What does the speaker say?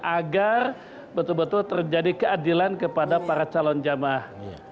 agar betul betul terjadi keadilan kepada para calon jemaah